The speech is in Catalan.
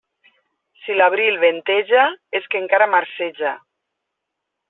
Si l'abril venteja, és que encara marceja.